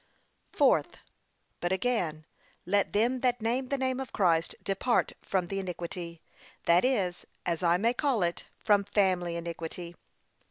Fourth, But again, let them that name the name of Christ depart from the iniquity, that is, as I may call it, from FAMILY INIQUITY.